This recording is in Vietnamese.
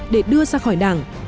để đưa ra khỏi đảng